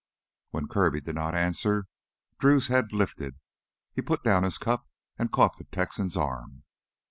When Kirby did not answer, Drew's head lifted. He put down his cup and caught the Texan's arm.